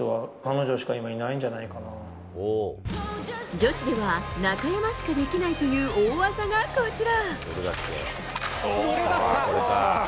女子では、中山しかできないという大技がこちら。